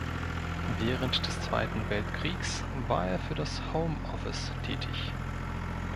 Während des Zweiten Weltkriegs war er für das Home Office tätig.